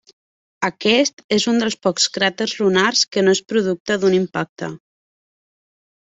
Aquest és un dels pocs cràters lunars que no és producte d'un impacte.